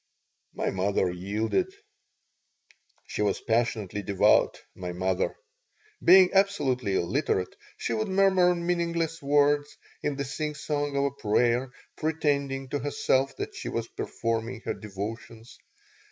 My mother yielded She was passionately devout, my mother. Being absolutely illiterate, she would murmur meaningless words, in the singsong of a prayer, pretending to herself that she was performing her devotions.